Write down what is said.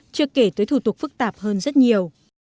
chưa kể tới thủ tục phức tạp hơn rất nhiều